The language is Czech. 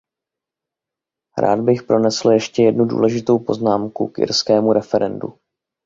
Rád bych pronesl ještě jednu důležitou poznámku k irskému referendu.